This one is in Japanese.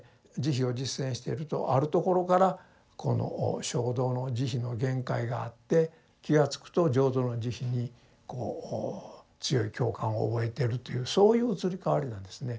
慈悲を実践しているとあるところからこの聖道の慈悲の限界があって気が付くと浄土の慈悲にこう強い共感を覚えてるというそういう移り変わりなんですね。